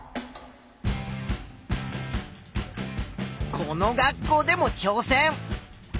この学校でもちょう戦。